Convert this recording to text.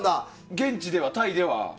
現地では、タイでは？